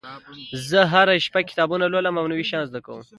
زه هره شپه کتابونه لولم او نوي شیان زده کوم